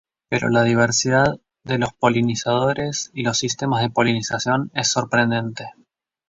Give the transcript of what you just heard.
Pero la diversidad de los polinizadores y los sistemas de polinización es sorprendente.